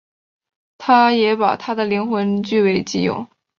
他也把她的灵魂据为己有。